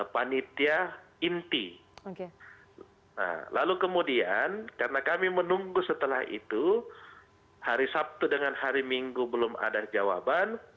pertama kami menunggu setelah itu hari sabtu dengan hari minggu belum ada jawaban